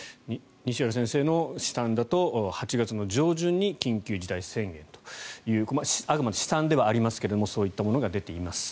西浦先生の試算だと８月の上旬に緊急事態宣言というあくまで試算ではありますがそういったものが出ています。